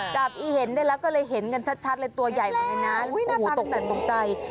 จับอีเห็นได้แล้วก็เลยเห็นกันชัดเลยตัวใหญ่มากในนั้นโอ้โหตกตกใจ